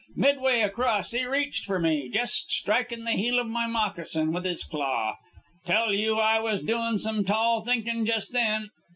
Midway across, he reached for me, jest strikin' the heel of my moccasin with his claw. Tell you I was doin' some tall thinkin' jest then.